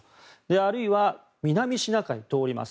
あるいは、南シナ海を通ります。